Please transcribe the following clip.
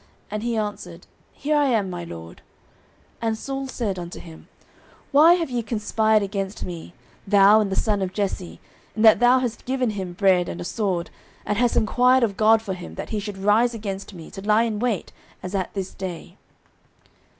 And he answered, Here I am, my lord. 09:022:013 And Saul said unto him, Why have ye conspired against me, thou and the son of Jesse, in that thou hast given him bread, and a sword, and hast enquired of God for him, that he should rise against me, to lie in wait, as at this day?